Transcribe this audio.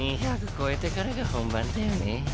超えてからが本番だよね